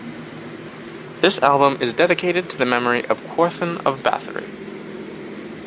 This album is dedicated to the memory Quorthon of Bathory.